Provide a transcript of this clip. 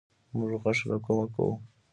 موږ غوښه له کومه کوو؟